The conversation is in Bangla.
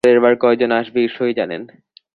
পরের বার কয়জন আসবে ঈশ্বরই জানেন।